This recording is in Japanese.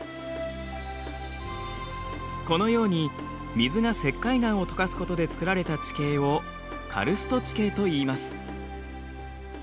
このように水が石灰岩を溶かすことで作られた地形をカルスト地形といいます。